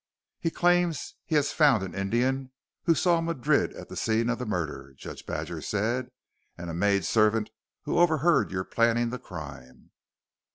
"He claims he has found an Indian who saw Madrid at the scene of the murder," Judge Badger said, "and a maid servant who overheard you planning the crime."